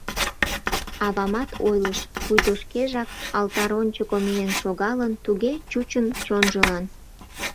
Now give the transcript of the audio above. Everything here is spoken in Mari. Авамат ойлыш: пуйто шкежак алтар ончыко миен шогалын, туге чучын чонжылан.